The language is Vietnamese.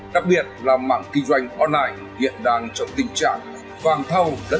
đặc biệt là mạng kinh doanh